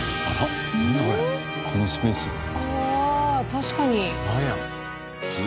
ああ確かに。